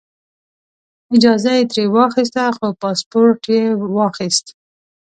اجازه یې ترې واخیسته خو پاسپورټ یې واخیست.